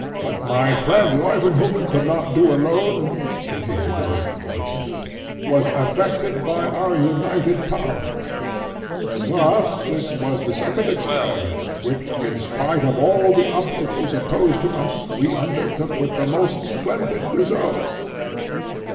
"What my friend, Leuwenhock, could not do alone," continued the microscopist, "was effected by our united powers, and thus this was the second experiment which, in spite of all the obstacles opposed to us, we undertook with the most splendid results."